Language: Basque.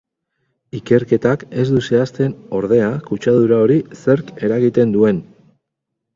Ikerketak ez du zehazten, ordea, kutsadura hori zerk eragiten duen.